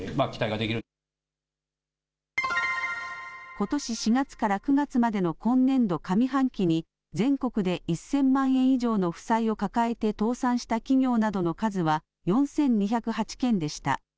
ことし４月から９月までの今年度上半期に、全国で１０００万円以上の負債を抱えて倒産した企業などの数は、４２０８件でした。